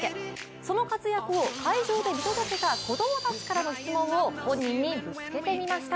その活躍を会場で見届けた子供たちからの質問を本人にぶつけてみました。